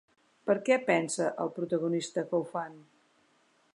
Per què pensa el protagonista que ho fan?